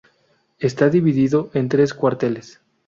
Está dividido en tres cuarteles.